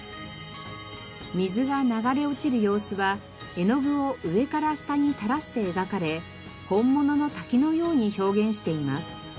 水が流れ落ちる様子は絵の具を上から下に垂らして描かれ本物の滝のように表現しています。